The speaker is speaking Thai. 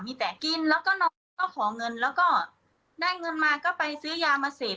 มีแต่กินแล้วก็น้องก็ขอเงินแล้วก็ได้เงินมาก็ไปซื้อยามาเสพ